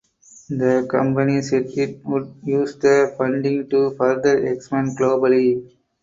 The company said it would use the funding to further expand globally.